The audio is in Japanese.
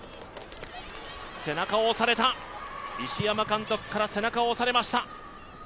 背中を押された石山監督から背中を押されました。